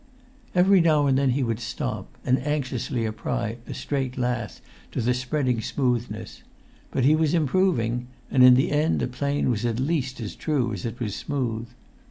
Every now and then he would stop, and anxiously apply a straight lath to the spreading smoothness; but he was improving, and in the end the plane was at least as true as it was smooth.